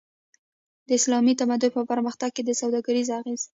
د اسلامي تمدن په پرمختګ کی د سوداګری اغیز